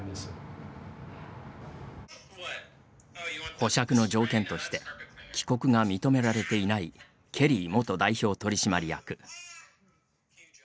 保釈の条件として帰国が認められていないケリー元代表取締役。